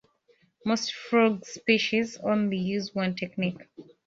Most frogs species only use one technique.